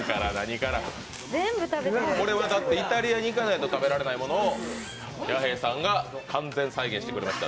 これはだってイタリアに行かないと食べられないものを弥平さんが完全再現してくれました。